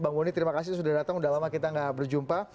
bang boni terima kasih sudah datang udah lama kita gak berjumpa